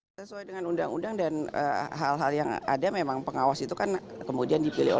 itu seperti apa dan itu kita lihat dulu